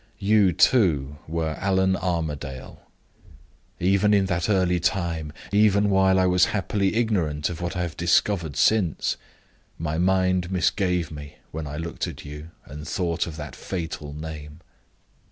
You, too, were Allan Armadale. Even in that early time even while I was happily ignorant of what I have discovered since my mind misgave me when I looked at you, and thought of that fatal name.